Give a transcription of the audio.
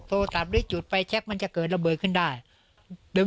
โทรสำรึกจุดไฟแช็คมันจะเกิดระเบิดขึ้นได้